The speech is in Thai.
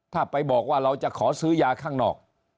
ถ้าไปบอกว่าเราจะขอซื้อยาข้างนอก